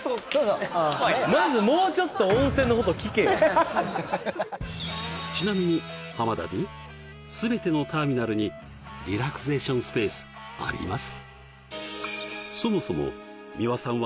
あるセットちなみに田Ｄ全てのターミナルにリラクゼーションスペースあります